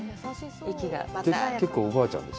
結構おばあちゃん？